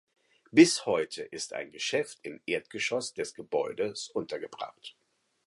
Bis heute ist ein Geschäft im Erdgeschoss des Gebäudes untergebracht.